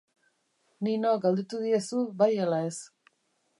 Nino, galdetu diezu, bai ala ez?